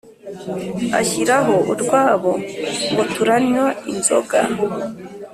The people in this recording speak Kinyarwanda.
ashyiraho urwabo ngo turanywa inzoga